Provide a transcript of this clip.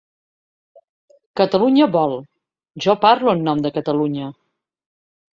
Catalunya vol’, ‘jo parlo en nom de Catalunya’.